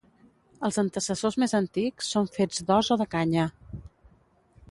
Els antecessors més antics són fets d'os o de canya.